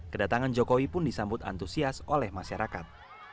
kedatangan jokowi pun disambut antusias oleh masyarakat